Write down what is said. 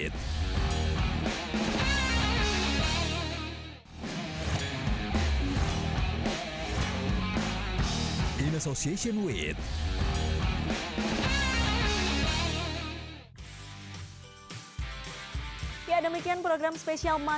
terima kasih dan sampai jumpa